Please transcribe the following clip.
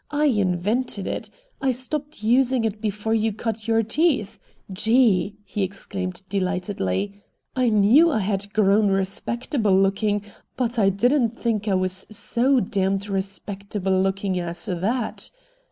I invented it. I stopped using it before you cut your teeth. Gee!" he exclaimed delightedly. "I knew I had grown respectable looking, but I didn't think I was so damned respectable looking as that!"